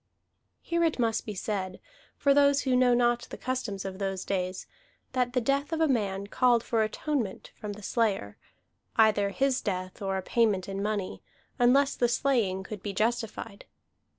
Here it must be said, for those who know not the customs of those days, that the death of a man called for atonement from the slayer, either his death or a payment in money, unless the slaying could be justified.